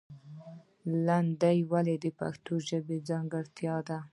لندۍ ولې د پښتو ځانګړتیا ده؟